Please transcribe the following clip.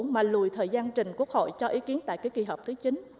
mà lùi thời gian trình quốc hội cho ý kiến tại cái kỳ họp thứ chín